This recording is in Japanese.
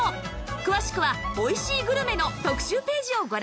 詳しくは「おいしいグルメ」の特集ページをご覧ください